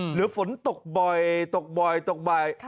หรือฝนตกบ่อยตกบ่อยตกบ่อย